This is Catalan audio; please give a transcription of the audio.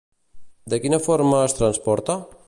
De quina forma es transporta?